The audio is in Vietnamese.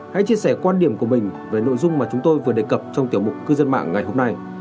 hãy chia sẻ quan điểm của mình về nội dung mà chúng tôi vừa đề cập trong tiểu mục cư dân mạng ngày hôm nay